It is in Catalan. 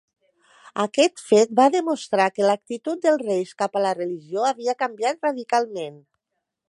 Aquest fet va demostrar que l'actitud dels reis cap a la religió havia canviat radicalment.